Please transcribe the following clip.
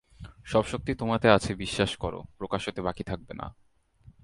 সব শক্তি তোমাতে আছে বিশ্বাস কর, প্রকাশ হতে বাকী থাকবে না।